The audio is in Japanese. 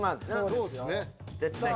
そうですね。